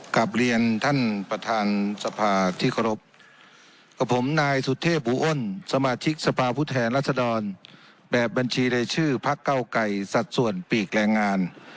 กลับเรียนท่านประธานสภาที่เคารพกับผมนายสุเทพบูอ้นสมาชิกสภาพุทธแทนรัศดรแบบบัญชีรายชื่อพักเก้าไก่สัดส่วนปีกแรงงาน